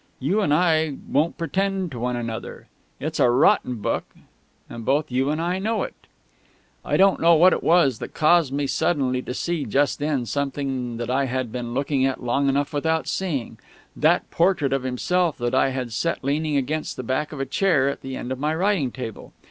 You and I won't pretend to one another. It's a rotten book, and both you and I know it...." I don't know what it was that caused me suddenly to see just then something that I had been looking at long enough without seeing that portrait of himself that I had set leaning against the back of a chair at the end of my writing table.